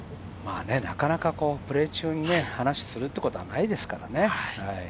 なかなかプレー中に話をすることがないですからね。